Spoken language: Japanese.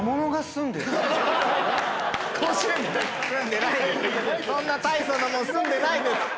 そんな大層なもんすんでないです。